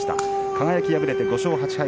輝は敗れて５勝８敗。